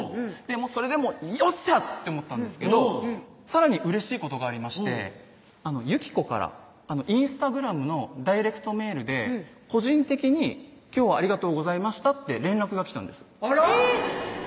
それでもう「よっしゃ！」って思ったんですけどさらにうれしいことがありまして由紀子からＩｎｓｔａｇｒａｍのダイレクトメールで個人的に「今日はありがとうございました」って連絡が来たんですあら？